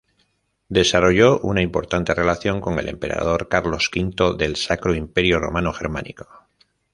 Desarrolló una importante relación con el emperador Carlos V del Sacro Imperio Romano Germánico.